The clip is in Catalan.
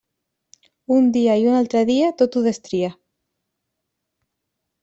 Un dia i un altre dia, tot ho destria.